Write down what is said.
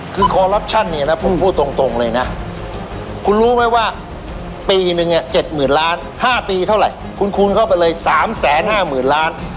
คือคอรัปชั่นเนี่ยนะผมพูดตรงเลยนะคุณรู้ไหมว่าปีนึง๗๐๐๐ล้าน๕ปีเท่าไหร่คุณคูณเข้าไปเลย๓๕๐๐๐ล้าน